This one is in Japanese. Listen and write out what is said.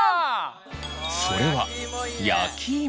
それは焼きいも。